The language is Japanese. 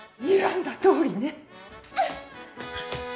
にらんだとおりね。